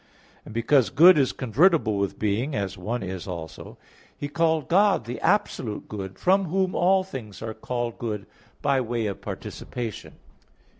And because good is convertible with being, as one is also; he called God the absolute good, from whom all things are called good by way of participation.